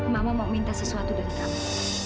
mama mau minta sesuatu dengan kamu